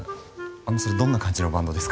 あのそれどんな感じのバンドですか？